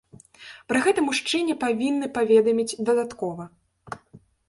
Пра гэта мужчыне павінны паведаміць дадаткова.